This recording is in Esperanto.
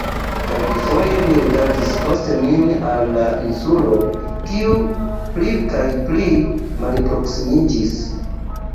Kelkfoje mi rigardis post min al "la Insulo", kiu pli kaj pli malproksimiĝis.